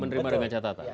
menerima dengan catatan